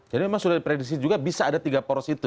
jadi emang sudah diprediksi juga bisa ada tiga poros itu